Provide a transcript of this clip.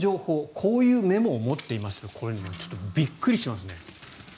こういうメモを持っていましたとこれ、ちょっとびっくりしますね。